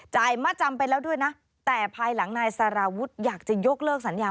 มาจำไปแล้วด้วยนะแต่ภายหลังนายสารวุฒิอยากจะยกเลิกสัญญา